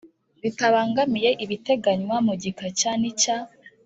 Bitabangamiye ibiteganywa mu gika cya n icya